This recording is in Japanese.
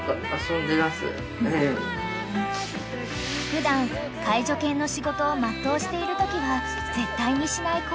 ［普段介助犬の仕事を全うしているときは絶対にしない行動］